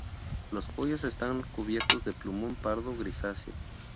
Los pollos están cubiertos de plumón pardo grisáceo.